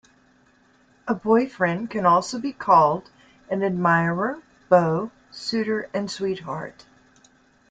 A boyfriend can also be called an admirer, beau, suitor and sweetheart.